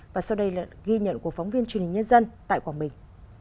và sau đây là ghi nhận của phóng viên truyền hình nhân dân tại quảng bình